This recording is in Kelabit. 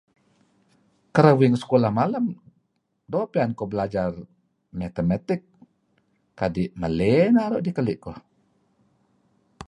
Kereb uih ngih sekulah malem doo' pian kuh belajar matemetik kadi' meley naru' idih keli- kuh.